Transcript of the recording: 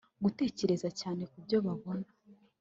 gutekereza cyane kubyo babona